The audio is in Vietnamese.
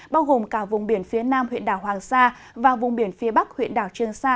bao gồm cả vùng biển phía nam huyện đảo hoàng sa và vùng biển phía bắc huyện đảo trương sa